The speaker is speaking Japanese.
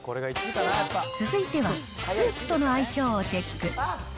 続いては、スープとの相性をチェック。